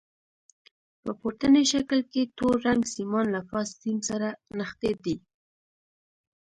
په پورتني شکل کې تور رنګ سیمان له فاز سیم سره نښتي دي.